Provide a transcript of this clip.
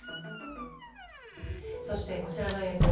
そして、こちらの映像。